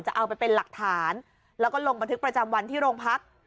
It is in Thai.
จะเอาไปเป็นหลักฐานแล้วก็ลงบันทึกประจำวันที่โรงพัก